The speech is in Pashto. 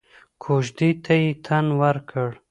کوژدې ته يې تن ورکړ.